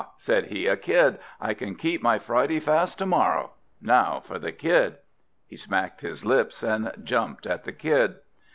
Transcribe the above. said he. "A Kid! I can keep my Friday fast to morrow. Now for the Kid!" He smacked his lips, and jumped at the Kid.